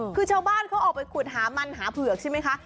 คือชาวบ้านเขาออกไปขุดหามันหาเผือกใช่ไหมคะ